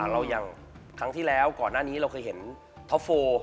อย่างครั้งที่แล้วก่อนหน้านี้เราเคยเห็นท็อปโฟ